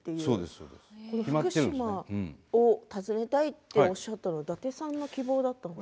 福島を訪ねたいとおっしゃったのは伊達さんの希望だったんですか？